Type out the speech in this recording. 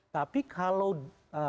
tapi kalau dia